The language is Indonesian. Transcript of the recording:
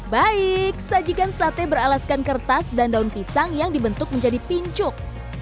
baik sajikan sate beralaskan kertas dan daun pisang yang dibentuk menjadi pincuk